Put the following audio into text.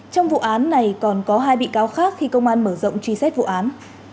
trong vụ án này còn có hai bị cáo khác khi công an mở rộng truy xét vụ án